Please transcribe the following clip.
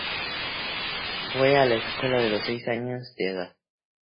Fue a la escuela a los seis años de edad.